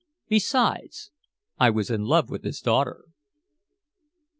Besides, I was in love with his daughter.